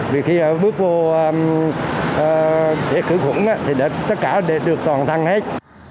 vì khi bước vô khử khuẩn thì tất cả được toàn thăng hết